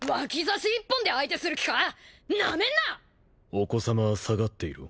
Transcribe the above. お子さまは下がっていろ。